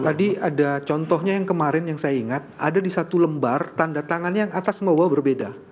tadi ada contohnya yang kemarin yang saya ingat ada di satu lembar tanda tangannya yang atas bawah berbeda